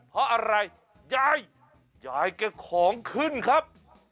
เพราะอะไรยายยายแกของขึ้นครับ